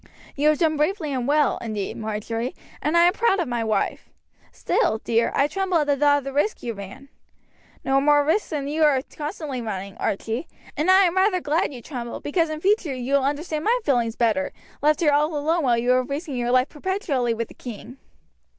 "You have done bravely and well, indeed, Marjory, and I am proud of my wife. Still, dear, I tremble at the thought of the risk you ran." "No more risk than you are constantly running, Archie; and I am rather glad you tremble, because in future you will understand my feelings better, left here all alone while you are risking your life perpetually with the king."